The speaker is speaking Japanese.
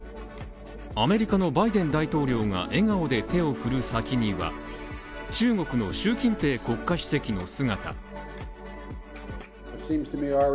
３時間半に及んだ会談の内容はアメリカのバイデン大統領が笑顔で手を振る先には中国の習近平国家主席の姿。